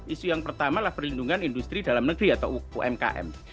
isu yang pertama adalah perlindungan industri dalam negeri atau umkm